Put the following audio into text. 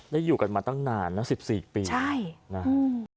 อยู่กันมาตั้งนานนะสิบสี่ปีใช่นะ